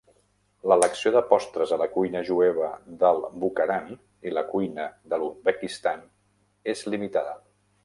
L'elecció de postres a la cuina jueva del Bukharan i la cuina de l'Uzbekistan és limitada.